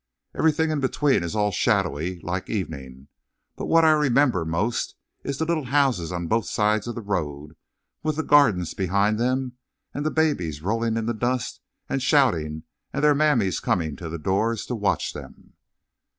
"Everything in between is all shadowy like evening, but what I remember most is the little houses on both sides of the road with the gardens behind them, and the babies rolling in the dust and shouting and their mammies coming to the doors to watch them."